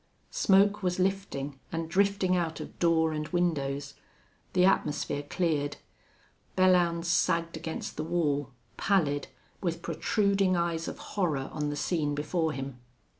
Smoke was lifting, and drifting out of door and windows. The atmosphere cleared. Belllounds sagged against the wall, pallid, with protruding eyes of horror on the scene before him.